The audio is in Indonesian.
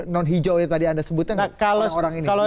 non hijau yang tadi anda sebutkan nah kalau